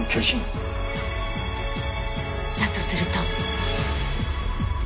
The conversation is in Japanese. だとすると。